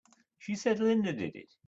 She said Linda did it!